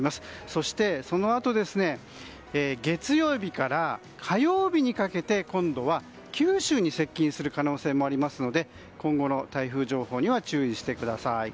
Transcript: そして、そのあと月曜日から火曜日にかけて今度は、九州に接近する可能性もありますので今後の台風情報には注意してください。